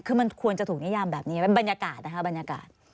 คือมันควรจะถูกนิยามแบบนี้ไหมบรรยากาศนะคะ